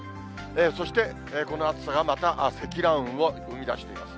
そしてこの暑さがまた、積乱雲を生み出しています。